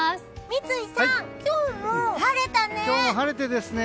三井さん、今日も晴れたね！